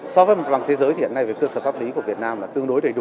so với một vàng thế giới thì cơ sở pháp lý của việt nam tương đối đầy đủ